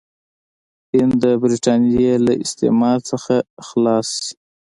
هند د برټانیې له استعمار څخه خلاص شي.